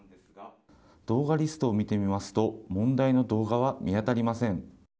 動画リストを見てみますと問題の動画は見当たりません。